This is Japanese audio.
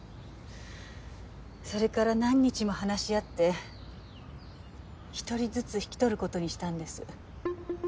それから何日も話し合って１人ずつ引き取る事にしたんです。